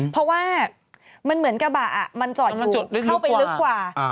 เพราะว่ามันเหมือนกระบะมันจอดอยู่เข้าไปลึกกว่า